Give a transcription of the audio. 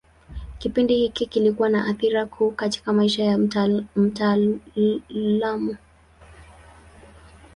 Kipindi hiki kilikuwa na athira kuu katika maisha ya mtaalamu.